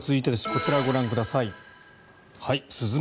こちらをご覧ください。